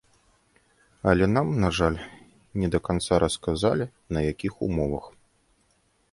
Але нам, на жаль, не да канца расказалі, на якіх умовах.